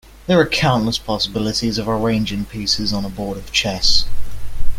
There are countless possibilities of arranging pieces on a board of chess.